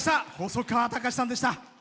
細川たかしさんでした。